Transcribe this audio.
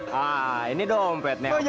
hah ini dompetnya apaan ya